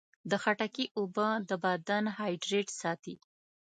د خټکي اوبه د بدن هایډریټ ساتي.